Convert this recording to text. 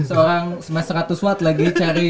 seorang semesteratus watt lagi cari